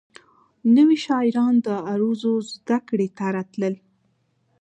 نوي شاعران د عروضو زدکړې ته راتلل.